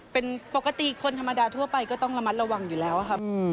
เป็นปกติคนธรรมดาทั่วไปก็ต้องระมัดระวังอยู่แล้วครับ